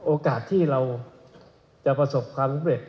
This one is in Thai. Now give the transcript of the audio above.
โอกาสที่เราจะประสบความสำเร็จ